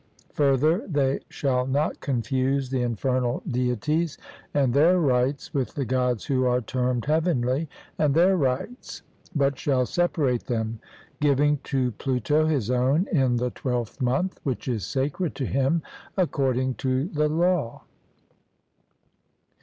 Further, they shall not confuse the infernal deities and their rites with the Gods who are termed heavenly and their rites, but shall separate them, giving to Pluto his own in the twelfth month, which is sacred to him, according to the law.